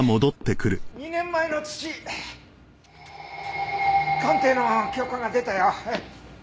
２年前の土鑑定の許可が出たよ。